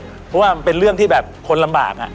เพราะว่ามันเป็นเรื่องที่แบบคนลำบาก